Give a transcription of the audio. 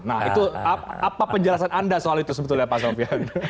nah itu apa penjelasan anda soal itu sebetulnya pak sofian